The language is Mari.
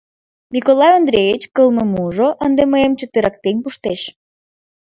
Миколай Ондреич, кылмымужо ынде мыйым чытырыктен пуштеш.